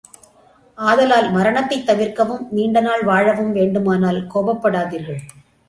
ஆதலால் மரணத்தைத் தவிர்க்கவும், நீண்டநாள் வாழவும் வேண்டுமானால் கோபப்படாதீர்கள்!